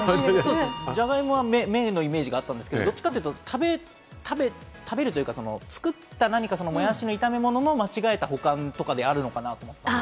ジャガイモは芽のイメージがあったんですけれども、どっちかというと食べるというか作った何か、モヤシの炒め物の間違えた保管とかであるのかなって。